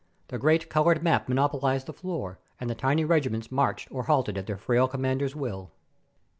The great coloured map monopolized the floor, and the tiny regiments marched or halted at their frail commander's will.